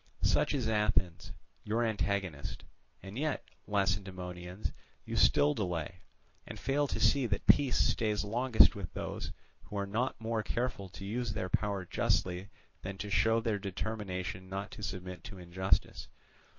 "Such is Athens, your antagonist. And yet, Lacedaemonians, you still delay, and fail to see that peace stays longest with those, who are not more careful to use their power justly than to show their determination not to submit to injustice.